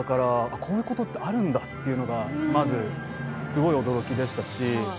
こういうことってあるんだというのが、まずすごい驚きでしたし